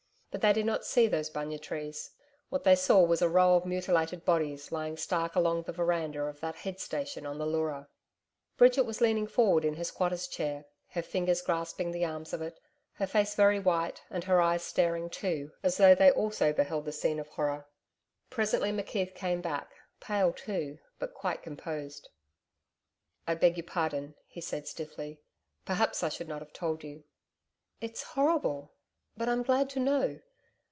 But they did not see those bunya trees. What they saw was a row of mutilated bodies, lying stark along the veranda of that head station on the Leura. Bridget was leaning forward in her squatter's chair, her fingers grasping the arms of it, her face very white and her eyes staring too, as though they also beheld the scene of horror. Presently McKeith came back, pale too, but quite composed. 'I beg your pardon,' he said stiffly. 'Perhaps I should not have told you.' 'It's horrible. But I'm glad to know.